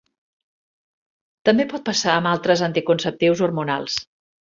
També pot passar amb altres anticonceptius hormonals.